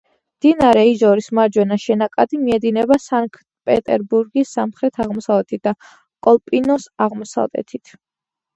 მდინარე იჟორის მარჯვენა შენაკადი, მიედინება სანქტ-პეტერბურგის სამხრეთ-აღმოსავლეთით და კოლპინოს აღმოსავლეთით.